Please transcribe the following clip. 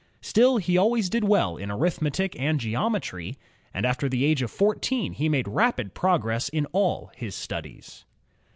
Still, he al ways did well in arithmetic and geometry, and after the age of fourteen he made rapid progress in all his studies.